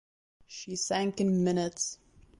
She sank in minutes.